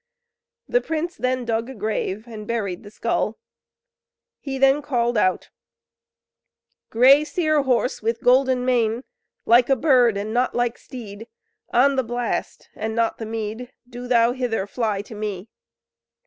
The prince then dug a grave, and buried the skull. He then called out: "Grey Seer horse, with golden mane! Like a bird and not like steed, On the blast and not the mead, Do thou hither fly to me!"